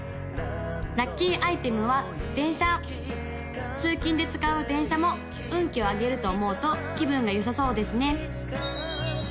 ・ラッキーアイテムは電車通勤で使う電車も運気を上げると思うと気分がよさそうですね